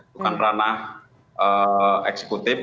bukan ranah eksekutif